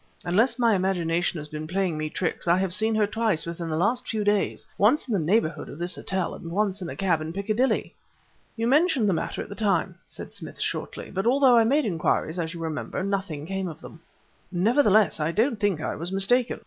"Unless my imagination has been playing me tricks, I have seen her twice within the last few days once in the neighborhood of this hotel and once in a cab in Piccadilly." "You mentioned the matter at the time," said Smith shortly; "but although I made inquiries, as you remember, nothing came of them." "Nevertheless, I don't think I was mistaken.